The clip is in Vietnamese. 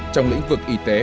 trong lĩnh vực y tế